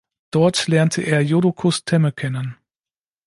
Dort lernte er Jodocus Temme kennen.